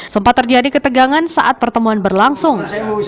sempat terjadi ketegangan saat pertemuan berlangsung